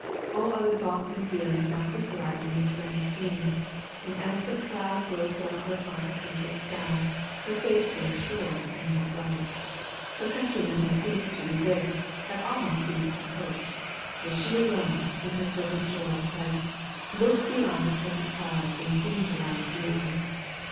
All other thoughts and feelings now crystallize in this grand scheme; and as the cloud grows darker upon her country's sky, her faith grows surer and more bright. Her countrymen have ceased to resist, have almost ceased to hope; but she alone, in her fervent joy, has "looked beyond the present clouds and seen the light beyond."